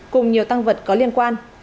cùng nhiều tăng vật có liên quan